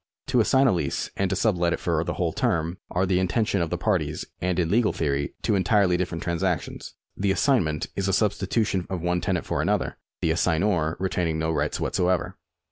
To assign a lease and to sub let it for the whole term are in the intention of the parties and in legal theory two entirely different transactions. The assignment is a substitution of one tenant for another, the assignor retaining no rights whatever.